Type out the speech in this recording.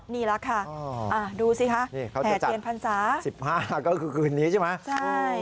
นี่แหละค่ะดูสิคะแห่เทียนพรรษา๑๕ก็คือคืนนี้ใช่ไหมใช่